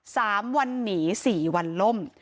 สามวันหนีสี่วันล่ม